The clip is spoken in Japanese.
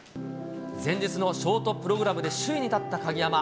前日のショートプログラムで首位に立った鍵山。